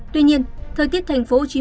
tuy nhiên thời tiết thành phố u s a